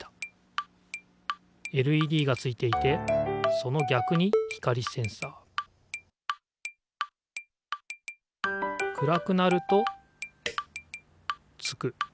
ＬＥＤがついていてそのぎゃくに光センサー暗くなると点く。